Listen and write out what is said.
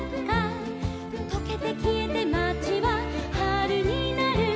「とけてきえてまちははるになる」